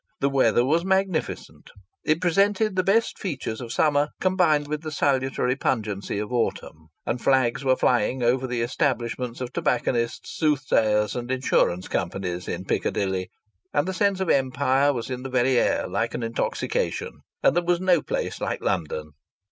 The weather was magnificent; it presented the best features of summer combined with the salutary pungency of autumn. And flags were flying over the establishments of tobacconists, soothsayers and insurance companies in Piccadilly. And the sense of Empire was in the very air, like an intoxication. And there was no place like London.